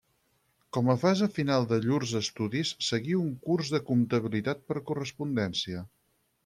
Com a fase final de llurs estudis seguí un curs de comptabilitat per correspondència.